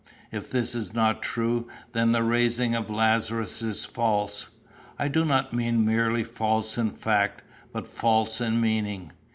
If this is not true, then the raising of Lazarus is false; I do not mean merely false in fact, but false in meaning.